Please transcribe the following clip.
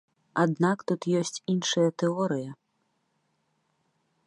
Аднак тут ёсць іншыя тэорыя.